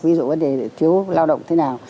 ví dụ vấn đề thiếu lao động thế nào